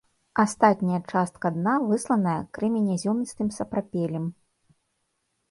Астатняя частка дна высланая крэменязёмістым сапрапелем.